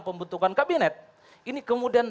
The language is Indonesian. pembentukan kabinet ini kemudian